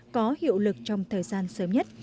có hiệu lực trong thời gian sớm nhất